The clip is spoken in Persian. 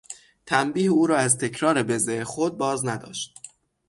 تنبیه او را از تکرار بزه خود بازنداشت.